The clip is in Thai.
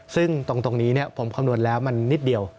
ซึ่งตรงนี้ผมคำนวณแล้วมันนิดเดียว